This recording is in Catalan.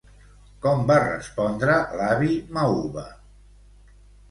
Com va respondre l'avi Mauva?